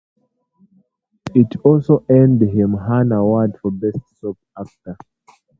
It also earned him Hum Award for Best Soap Actor.